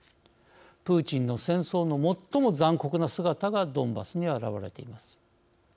プーチンの戦争の最も残酷な姿がドンバスに表れています。